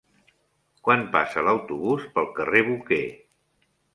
Quan passa l'autobús pel carrer Boquer?